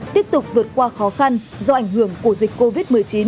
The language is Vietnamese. tiếp tục vượt qua khó khăn do ảnh hưởng của dịch covid một mươi chín